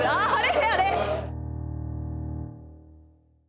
あれ？